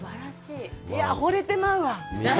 いやあ、ほれてまうわ。